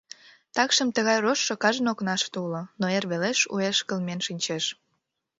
Такшым тыгай рожшо кажне окнаште уло, но эр велеш уэш кылмен шинчеш.